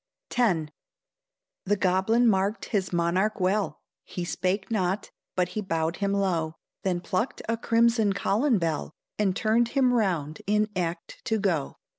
X. The goblin marked his monarch well; He spake not, but he bowed him low, Then plucked a crimson colen bell, And turned him round in act to go.